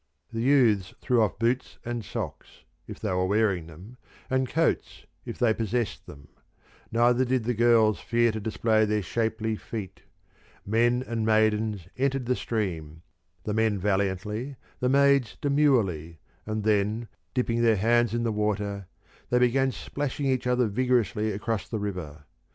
The youths threw off boots and socks, if they were wearing them, and coats, if they possessed them: neither did the girls fear to display their shapely feet: men and maidens entered the stream, the men valiantly, the maids demurely, and then, dipping their hands in the water, they began splashing each other vigorously across the river.